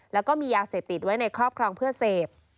แล้วก็มียาเสพติดไว้ในครอบครองเพื่อเสพ